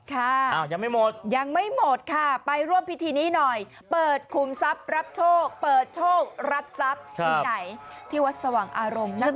ยังไม่หมดยังไม่หมดค่ะไปร่วมพิธีนี้หน่อยเปิดคุมทรัพย์รับโชคเปิดโชครับทรัพย์ที่ไหนที่วัดสว่างอารมณ์นะคะ